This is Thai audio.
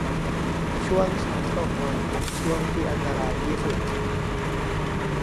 ช่วงช้างตกมันเป็นช่วงที่อันตรายที่สุด